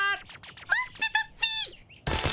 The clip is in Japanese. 待ってたっピ。